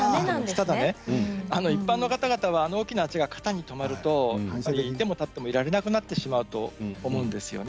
ただ一般の方々はあの大きなハチが肩にとまるといてもたってもいられなくなってしまうと思うんですよね。